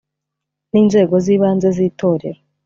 n inzego z ibanze z itorero